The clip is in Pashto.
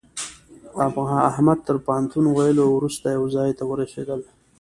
احمد تر پوهنتون ويلو روسته يوه ځای ته ورسېدل.